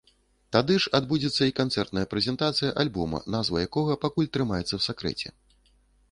Тады ж адбудзецца і канцэртная прэзентацыя альбома, назва якога пакуль трымаецца ў сакрэце.